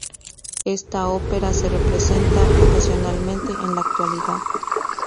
Esta ópera se representa ocasionalmente en la actualidad.